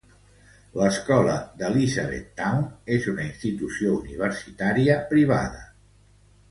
L'escola d'Elizabethtown és una institució universitària privada.